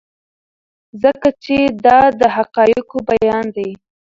ځکه چې دا د حقایقو بیان دی.